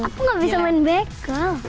aku gak bisa main bekel